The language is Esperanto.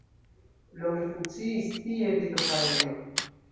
Longe funkciis tie vitrofarejo.